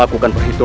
aku harus membantu